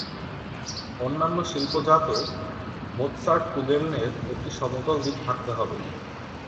অন্যান্য শিল্পজাত মোৎসার্টকুগেলনের একটি সমতল দিক থাকতে হবে।